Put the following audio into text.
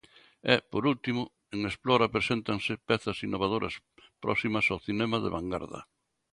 E, por último, en Explora preséntanse pezas innovadoras, próximas ao cinema de vangarda.